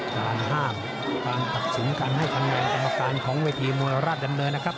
การห้ามความตัดสูงกันให้ทางแม่งตำรวจการของเวทีมลรดนั้นเลยนะครับ